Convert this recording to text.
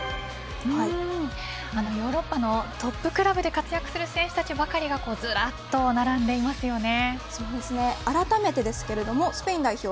ヨーロッパのトップクラブで活躍する選手たちばかりがずらっと並んでいますよね。